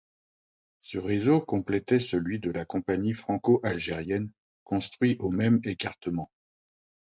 Ce réseau complétait celui de la Compagnie franco-algérienne construit au même écartement.